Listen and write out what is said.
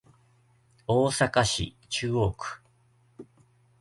大阪市中央区